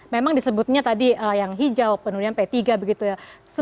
memang disebutnya tadi yang hijau penelitian p tiga begitu ya